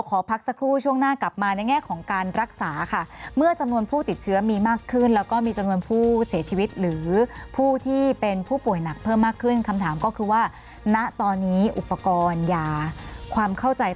ความเข้าใจต่อการปฏิตรวจ